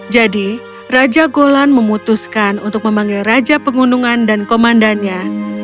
jadi raja golan memutuskan untuk memanggil raja penggunungan dan komandannya